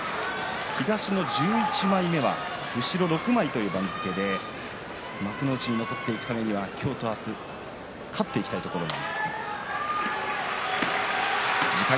東の１１枚目は後ろ６枚という番付で幕内に残っていくためには今日と明日、勝っていきたいところです。